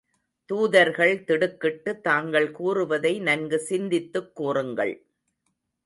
தூதர்கள் திடுக்கிட்டு, தாங்கள் கூறுவதை நன்கு சிந்தித்துக் கூறுங்கள்.